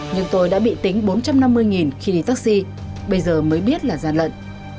nhưng tôi đã bị tính bốn trăm năm mươi khi đi taxi bây giờ mới biết là gian lận